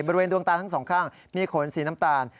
บริเวณดวงตาทั้ง๒ข้างมีขนสีน้ำตาล